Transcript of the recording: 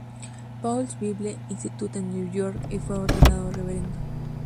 Paul's Bible Institute en Nueva York" y fue ordenado reverendo.